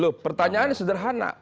loh pertanyaannya sederhana